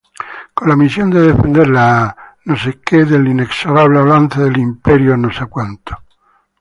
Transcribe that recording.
Con la misión de defender la Cristiandad del inexorable avance del Imperio Otomano.